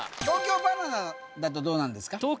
東京ばな奈だとどうなんですか？